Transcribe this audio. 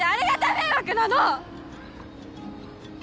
迷惑なの！